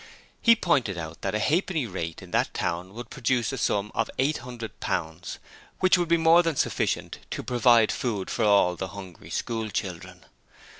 He pointed out that a halfpenny rate in that town would produce a sum of £800, which would be more than sufficient to provide food for all the hungry schoolchildren.